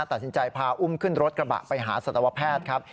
ตัดสินใจพาอุ้มขึ้นรถกระบะไปหาสัตวแพทย์ครับ